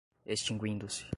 extinguindo-se